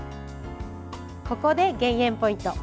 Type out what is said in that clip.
ここで減塩ポイント。